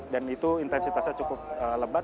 dan itu intensitasnya cukup lebat